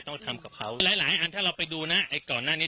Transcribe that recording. ต้องทำกับเขาหลายหลายอันถ้าเราไปดูนะไอ้ก่อนหน้านี้